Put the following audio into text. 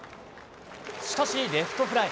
しかし、レフトフライ。